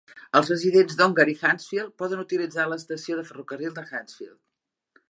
Els residents d'Ongar i Hansfield poden utilitzar l'estació de ferrocarril de Hansfield.